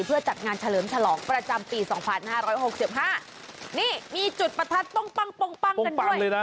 เพื่อจัดงานเฉลิมฉลองประจำปีสองพันห้าร้อยหกเจียบห้านี่มีจุดประทัดป้องปังป้องปังกันด้วยป้องปังเลยน่ะอ่า